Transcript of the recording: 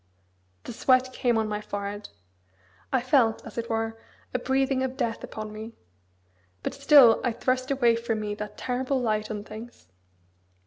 The sweat came on my forehead. I felt as it were a breathing of death upon me. But still I thrust away from me that terrible light on things.